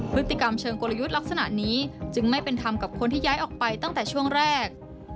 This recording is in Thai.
พฤติกรรมเชิงกลยุทธ์ลักษณะนี้จึงไม่เป็นธรรมกับคนที่ย้ายออกไปตั้งแต่ช่วงแรก